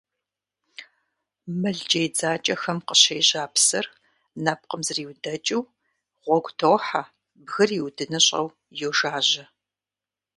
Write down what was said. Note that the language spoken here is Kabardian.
Мыл джей дзакӀэхэм къыщежьа псыр, нэпкъым зриудэкӀыу, гъуэгу тохьэ, бгыр иудыныщӀэу йожажьэ.